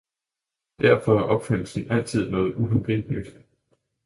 Derfor er opfindelsen altid noget uhåndgribeligt.